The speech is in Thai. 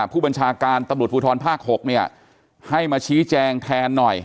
ผู้บัญชาการตำรวจภูทรภาค๖เนี่ยให้มาชี้แจงแทนหน่อย